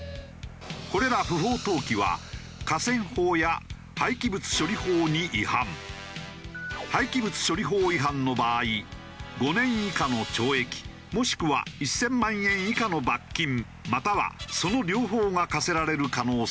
これら不法投棄は廃棄物処理法違反の場合５年以下の懲役もしくは１０００万円以下の罰金またはその両方が科せられる可能性が。